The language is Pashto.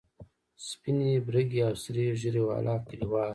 سپینې، برګې او سرې ږیرې والا کلیوال.